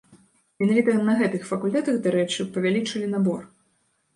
Менавіта на гэтых факультэтах, дарэчы, павялічылі набор.